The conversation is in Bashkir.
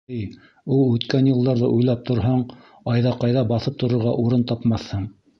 — Эй, ул үткән йылдарҙы уйлап торһаң, Айҙаҡайҙа баҫып торорға урын тапмаҫһың.